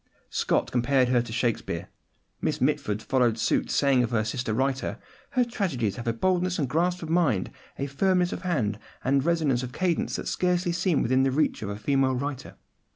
Scott compared her to Shakespeare. Miss Mitford followed suit, saying of her sister writer, "Her tragedies have a boldness and grasp of mind, a firmness of hand, and resonance of cadence that scarcely seem within the reach of a female writer."